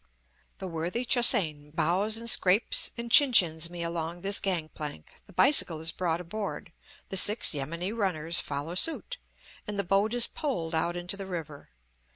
The worthy Che hsein bows and scrapes and chin chins me along this gang plank, the bicycle is brought aboard, the six yameni runners follow suit, and the boat is poled out into the river.